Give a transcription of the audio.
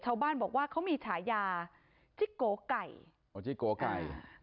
ชาวบ้านบอกว่ามีฉายาจิ๊กโกว์ไก่